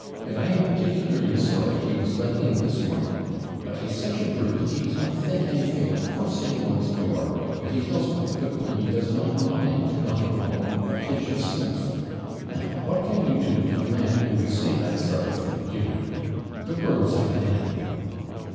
And I am particularly sorry he was let in this morning but he's such a brute that he does not think anything of forcing one's door, and he tells my footman he does not mind NOT AT HOME a pinch of snuff. Now what can you do with a man who could say that sort of thing, you know the world's at an end.'